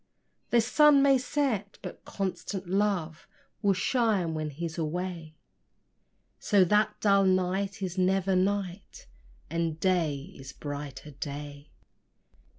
The sun may set, but constant love Will shine when he's away; So that dull night is never night, And day is brighter day.